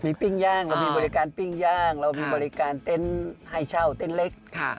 มีบริการสู้ปรึ่งย่างเรามีบริการเย็นไฮช่าวต้นเล็ก